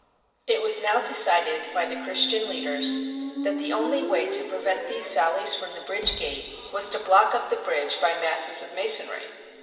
It was now decided by the Christian leaders that the only way to prevent these sallies from the bridge gate was to block up the bridge by masses of ma sonry.